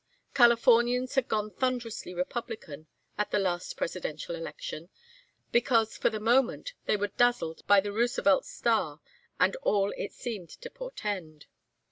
Californians had gone thunderously Republican at the last Presidential election, because for the moment they were dazzled by the Roosevelt star and all it seemed to portend.